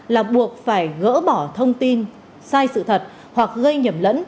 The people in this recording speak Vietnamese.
là buộc phải gỡ bỏ thông tin sai sự thật hoặc gây nhầm lẫn